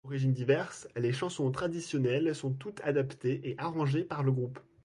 D'origines diverses, les chansons traditionnelles sont toutes adaptées et arrangées par le groupe.